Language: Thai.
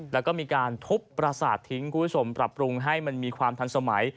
แล้วก็มีการทุบประสาททิ้งคุณผู้ชมปรับปรุงให้มันมีความทันสมัย